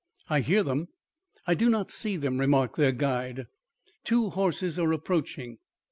"I hear them; I do not see them," remarked their guide. "Two horses are approaching."